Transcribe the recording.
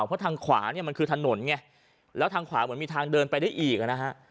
เพราะทางขวาเนี่ยมันคือถนนไงแล้วทางขวาเหมือนมีทางเดินไปได้อีกนะฮะ